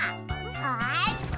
よし！